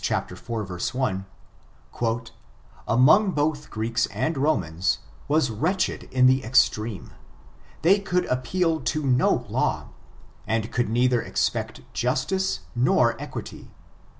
iv, 1), "among both Greeks and Romans, was wretched in the extreme : they could appeal to no law, and could neither expect justice nor equity.